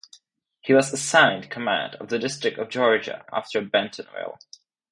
He was assigned command of the District of Georgia after Bentonville.